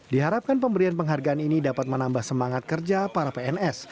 diharapkan pemberian penghargaan ini dapat menambah semangat kerja para pns